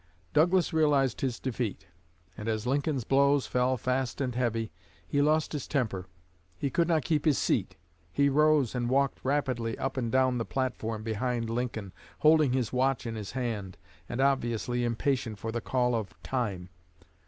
Douglas realized his defeat, and, as Lincoln's blows fell fast and heavy, he lost his temper. He could not keep his seat; he rose and walked rapidly up and down the platform, behind Lincoln, holding his watch in his hand, and obviously impatient for the call of _'time.'